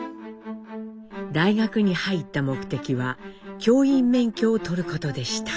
大学に入った目的は教員免許を取ることでした。